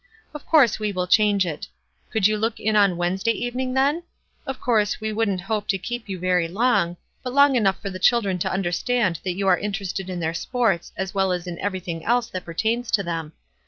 Of course we will change it. Could you look in on Wednesday evening then? Of course we wouldn't hope to keep you very long, but long enough for the children to under stand that you are interested in their sports as well as in everything else that pertains to them.